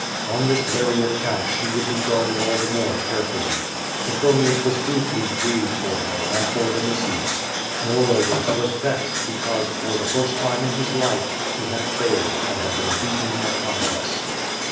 On this very account she would be guarded all the more carefully. Petronius was deeply grieved for her, and for Vinitius. Moreover, he was vexed, because, for the first time in his life, he had failed and had been beaten in a contest.